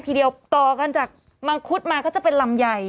ทีเดียวต่อกันจากมังคุดมาก็จะเป็นลำใหญ่